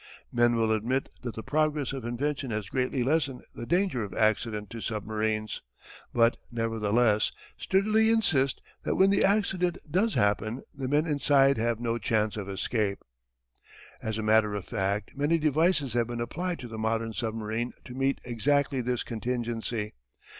Men will admit that the progress of invention has greatly lessened the danger of accident to submarines, but nevertheless sturdily insist that when the accident does happen the men inside have no chance of escape. As a matter of fact many devices have been applied to the modern submarine to meet exactly this contingency.